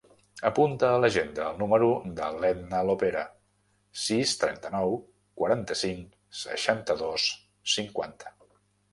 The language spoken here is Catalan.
Apunta a l'agenda el número de l'Edna Lopera: sis, trenta-nou, quaranta-cinc, seixanta-dos, cinquanta.